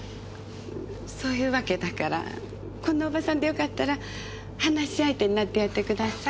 そういうわけだからこんなおばさんでよかったら話し相手になってやってください。